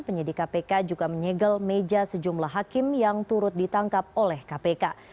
penyidik kpk juga menyegel meja sejumlah hakim yang turut ditangkap oleh kpk